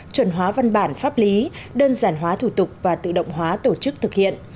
chuẩn hóa văn bản pháp lý đơn giản hóa thủ tục và tự động hóa tổ chức thực hiện